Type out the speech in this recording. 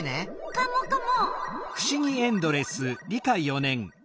カモカモ！